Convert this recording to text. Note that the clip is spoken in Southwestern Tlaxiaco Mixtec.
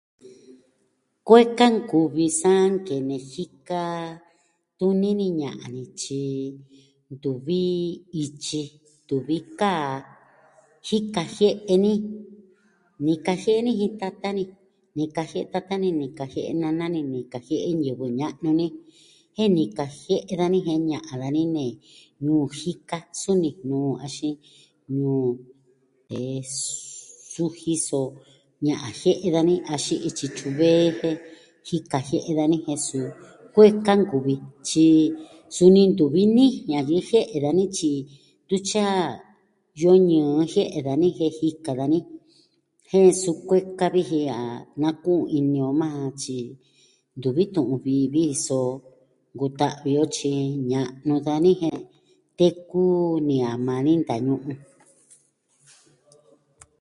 Kueka nkuvi sa nkene jika tuni ni ña'an ni tyi ntuvi ityi, ntuvi kaa, jika jie'e ni. Nika jie'e ni jin tata ni, nika jie'e, nika jie'e nana ni, nika jie'e ñivɨ ña'nu ni. Jen nika jie'e dani jen ña'an dani ne nuu jika suu Nijnuu axin nuu eh... Su jiso ña'an jie'e dani axin ityi tyuvee je jika jie'e dani jen suu kueka nkuvi, tyi suvi ntuvi ni ña'an jie'e dani tun tyi a yɨ'ɨ ñɨɨ jie'e dani jen jika dani jen suu kueka vi ji a nakuun ini on majan tyi ntuvi tu'un vii vi, so nkuta'vi o tyi ña'nu dani jen teku ne a maa ni ntañu'un.